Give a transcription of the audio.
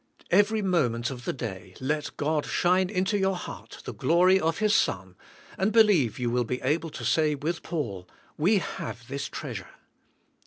Every moment of the day let God shine into your heart the glory of His Son, and believe you will be able to say with Paul, We have this treasure.